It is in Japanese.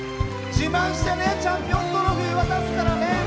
自慢してねチャンピオントロフィー渡すからね！